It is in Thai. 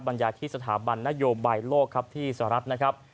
บรรยายที่สถาบันนโยบายโลกครับที่สหรัฐนะครับ